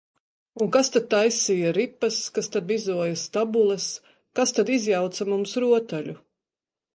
Un kas tad taisīja ripas, kas tad mizoja stabules, kas tad izjauca mums rotaļu?